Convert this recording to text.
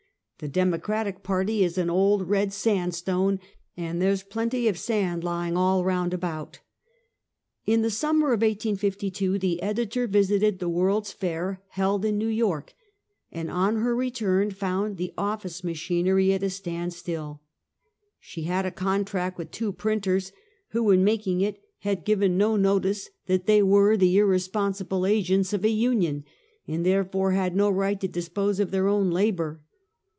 The Democratic party is an old red sandstone, and there is plenty of sand lying all around about." In the summer of 1852 the editor visited the World's Fair, held in New York, and on her return found the office machinery at a stand still. She had a con tract with two printers, who, in making it, had given no notice that they were the irresponsible agents of a union, and therefore had no right to dispose of their own labor.